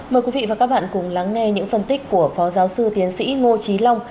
mời quý vị và các bạn cùng lắng nghe những phân tích của phó giáo sư tiến sĩ ngô trí long